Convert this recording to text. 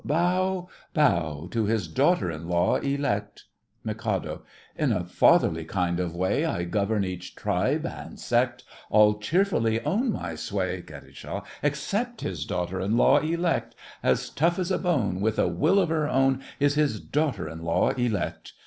Bow—Bow— To his daughter in law elect. MIK. In a fatherly kind of way I govern each tribe and sect, All cheerfully own my sway— KAT. Except his daughter in law elect! As tough as a bone, With a will of her own, Is his daughter in law elect!